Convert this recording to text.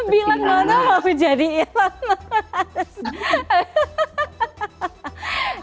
bilang nono mau jadi elon musk